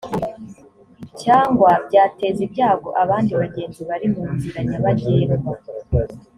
cyangwa byateza ibyago abandi bagenzi bari mu nzira nyabagendwa